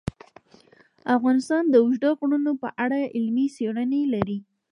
افغانستان د اوږده غرونه په اړه علمي څېړنې لري.